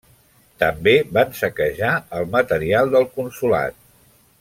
També van saquejar el material del consolat.